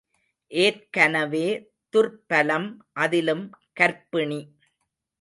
ஏற்கனவே துர்ப்பலம் அதிலும் கர்ப்பிணி.